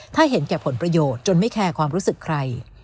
ถ้าเห็นแก่ผลประโยชน์จนไม่แคร์ความรู้สึกใคร